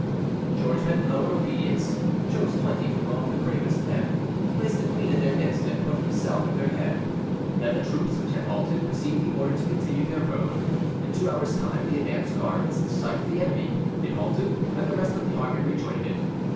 George bent low in obedience, chose twenty from among the bravest men, placed the queen in their midst, and put himself at their head; then the troops, which had halted, received the order to continue their road. In two hours' time the advance guard was in sight of the enemy; it halted, and the rest of the army rejoined it.